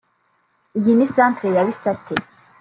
Iyi ni centre ya Bisate